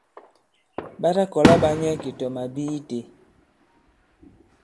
Ɓa ta kɔla ɓa nyɛ ki tɔ màbi itē.